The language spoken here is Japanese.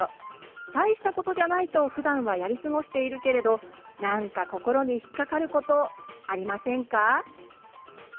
大したことじゃないとふだんはやり過ごしているけれどなんか心に引っ掛かることありませんか？